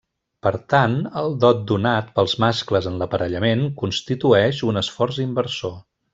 Per tant, el dot donat pels mascles en l'aparellament constitueix un esforç inversor.